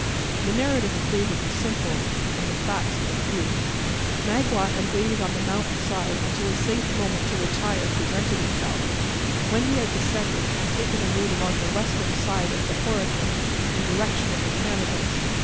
The narrative of David was simple, and the facts but few. Magua had waited on the mountain until a safe moment to retire presented itself, when he had descended, and taken the route along the western side of the Horican in direction of the Canadas.